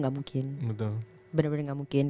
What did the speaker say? gak mungkin betul bener bener gak mungkin